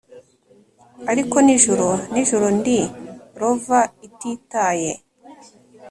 ariko nijoro, nijoro ndi rover ititaye,